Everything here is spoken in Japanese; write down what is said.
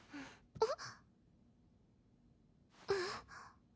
あっ。